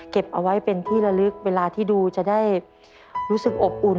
เอาไว้เป็นที่ละลึกเวลาที่ดูจะได้รู้สึกอบอุ่น